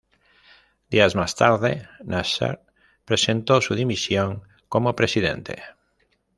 Días más tarde, Nasser presentó su dimisión como presidente.